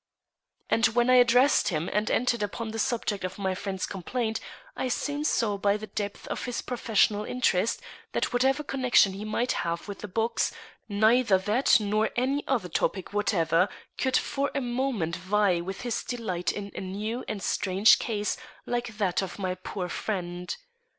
And when I addressed him and entered upon the subject of my friend's complaint, I soon saw by the depth of his professional interest that whatever connection he might have with the box, neither that nor any other topic whatever could for a moment vie with his delight in a new and strange case like that of my poor friend.